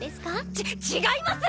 ち違います！